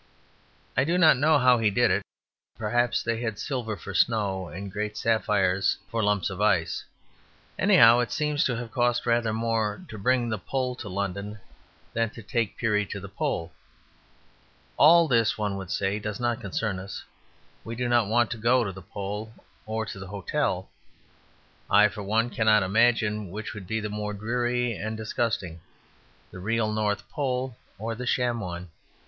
I do not know how he did it; perhaps they had silver for snow and great sapphires for lumps of ice. Anyhow, it seems to have cost rather more to bring the Pole to London than to take Peary to the Pole. All this, one would say, does not concern us. We do not want to go to the Pole or to the hotel. I, for one, cannot imagine which would be the more dreary and disgusting the real North Pole or the sham one.